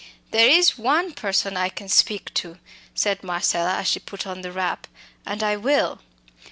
"There is one person I can speak to," said Marcella, as she put on the wrap. "And I will."